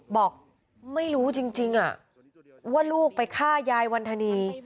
บอกไม่รู้จริงว่าลูกไปฆ่ายายวันธนี